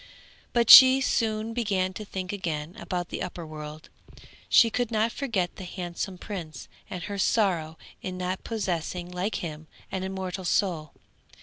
But she soon began to think again about the upper world, she could not forget the handsome prince and her sorrow in not possessing, like him, an immortal soul.